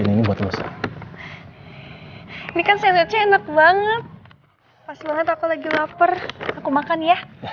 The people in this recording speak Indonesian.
enak banget pas banget aku lagi lapar aku makan ya